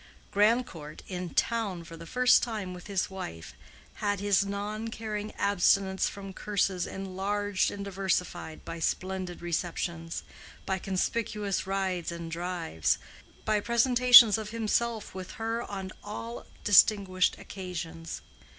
Grandcourt, in town for the first time with his wife, had his non caring abstinence from curses enlarged and diversified by splendid receptions, by conspicuous rides and drives, by presentations of himself with her on all distinguished occasions.